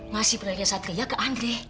masih berani satria ke andri